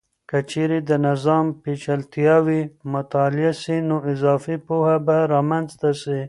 که چیرې د نظام پیچلتیاوې مطالعه سي، نو اضافي پوهه به رامنځته سي.